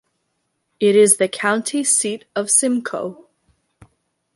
It is the County seat of Simcoe.